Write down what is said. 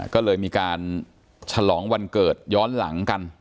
ก็เลยมีการฉลองวันเกิดย้อนหลังกัน